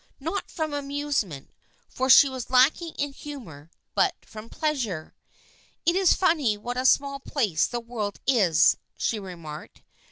Not from amusement, for she was lacking in humor, but from pleasure. " It is funny what a small place the world is," she remarked.